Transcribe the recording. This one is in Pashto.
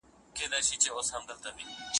خود به مې گرم گڼې اشنا! تا ویل ځه په منډه